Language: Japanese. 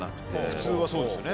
普通はそうですよね。